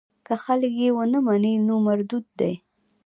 که خلک یې ونه مني نو مردود دی.